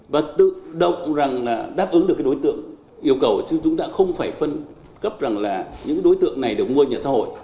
và tự động rằng là đáp ứng được cái đối tượng yêu cầu chứ chúng ta không phải phân cấp rằng là những đối tượng này được mua nhà xã hội